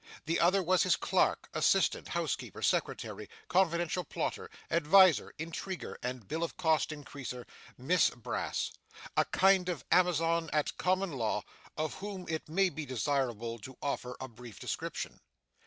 The other was his clerk, assistant, housekeeper, secretary, confidential plotter, adviser, intriguer, and bill of cost increaser, Miss Brass a kind of amazon at common law, of whom it may be desirable to offer a brief description.